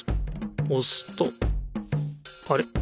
おすとあれ？